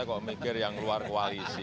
terbuka untuk koalisi atau berbuka untuk koalisi